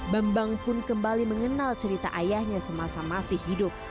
bambang pun kembali mengenal cerita ayahnya semasa masih hidup